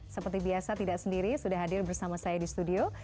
seperti biasa tidak sendiri sudah hadir bersama saya di studio